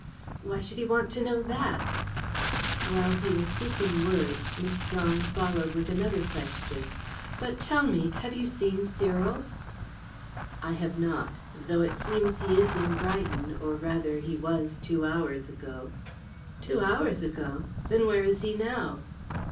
"Why should he want to know that?" While he was seeking words, Miss Strong followed with another question. "But, tell me, have you seen Cyril?" "I have not. Though it seems he is in Brighton, or, rather, he was two hours ago." "Two hours ago? Then where is he now?"